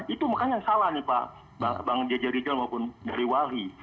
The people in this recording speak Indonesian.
itu makanya yang salah nih pak bang jajarijal maupun dari wali